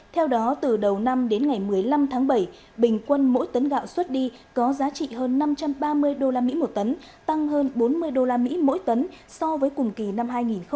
theo đó từ đầu năm đến ngày một mươi năm tháng bảy bình quân mỗi tấn gạo xuất đi có giá trị hơn năm trăm ba mươi usd một tấn tăng hơn bốn mươi usd mỗi tấn so với cùng kỳ năm hai nghìn một mươi chín